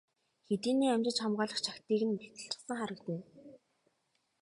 Хэдийнээ амжиж хамгаалах чагтыг нь мулталчихсан харагдана.